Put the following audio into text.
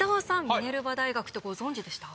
ミネルバ大学ってご存じでした？